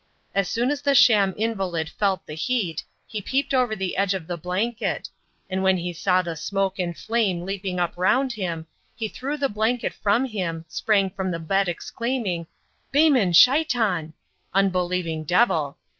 As soon as the sham invalid felt the heat, he peeped over the edge of the blanket; and when he saw the smoke and flame leaping up round him, he threw the blanket from him, sprang from the bed exclaiming "Beiman shaitan!" ("Unbelieving devil!")